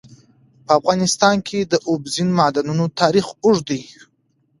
په افغانستان کې د اوبزین معدنونه تاریخ اوږد دی.